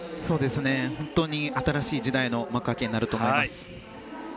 本当に新しい時代の幕開けになると思います。